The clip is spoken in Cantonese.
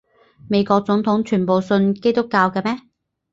美國總統全部信基督教嘅咩？